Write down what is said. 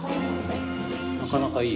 なかなかいい